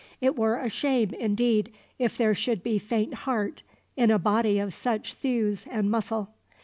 It were a shame, indeed, if there should be faint heart in a body of such thews and muscle.